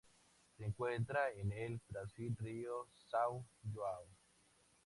Se encuentra en el Brasil: río São João.